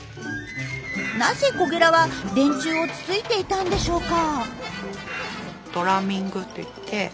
なぜコゲラは電柱をつついていたんでしょうか？